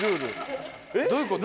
どういうこと？